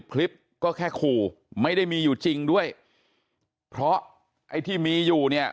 คลิปก็แค่ขู่ไม่ได้มีอยู่จริงด้วยเพราะไอ้ที่มีอยู่เนี่ย